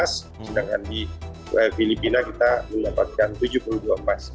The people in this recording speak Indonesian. sedangkan di filipina kita mendapatkan tujuh puluh dua emas